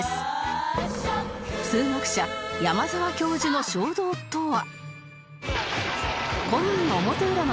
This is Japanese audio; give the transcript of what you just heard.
数学者山澤教授の衝動とは？